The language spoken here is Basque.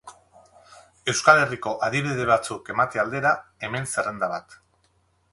Euskal Herriko adibide batzuk emate aldera, hemen zerrenda bat.